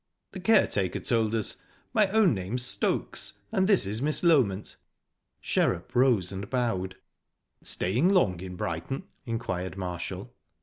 "The caretaker told us. My own name's Stokes and this is Miss Loment." Sherrup rose and bowed. "Staying long in Brighton?" inquired Marshall.